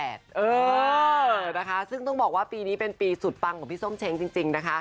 เออนะคะซึ่งต้องบอกว่าปีนี้เป็นปีสุดปังของพี่ส้มเช้งจริงนะคะ